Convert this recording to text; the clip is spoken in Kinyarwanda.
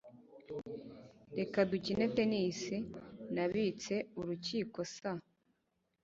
Reka dukine tennis. Nabitse urukiko saa